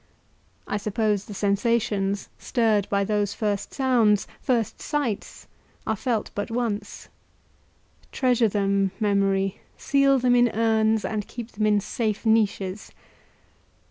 I suppose the sensations, stirred by those first sounds, first sights, are felt but once; treasure them, Memory; seal them in urns, and keep them in safe niches!